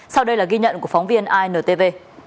sau đây là ghi nhận của phóng viên intv